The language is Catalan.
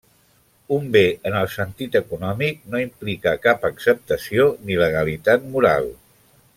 Un bé en el sentit econòmic no implica cap acceptació ni legalitat moral.